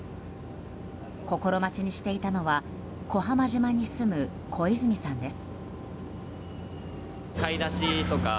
心待ちにしていたのは小浜島に住む小泉さんです。